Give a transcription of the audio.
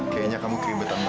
kayaknya kamu keribetan banget